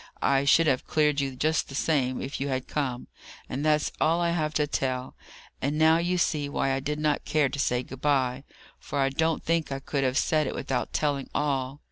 I should have cleared you just the same, if you had come." "And that's all I have to tell. And now you see why I did not care to say 'Good bye,' for I don't think I could have said it without telling all.